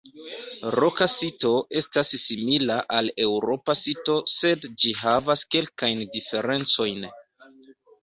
Roka sito estas simila al eŭropa sito sed ĝi havas kelkajn diferencojn.